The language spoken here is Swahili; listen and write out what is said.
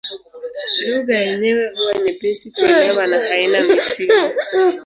Lugha yenyewe huwa nyepesi kuelewa na haina misimu.